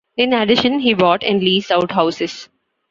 In addition, he bought and leased out houses.